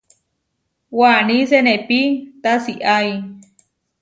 Waní senepí tasiái.